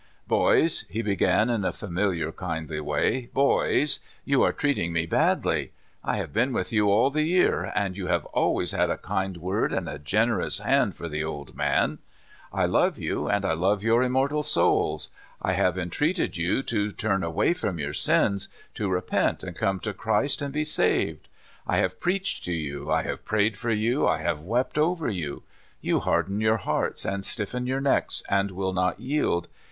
"Boys," he began, in a familiar, kijidly way, "boys, you are treating me badly. I have been with you all the year, and you have always had a kind word and a generous hand for the old man Father Cox. 85 r love you, and I love your immortal souls. I have entreated you to turn away from your sins, to re pent, and come to Christ and be saved, I have preached to you, I haye prayed for you, I have wept over you. You harden your hearts, and stiffen your necks, and will not yield.